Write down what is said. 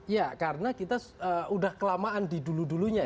ya karena kita sudah kelamaan di dulu dulunya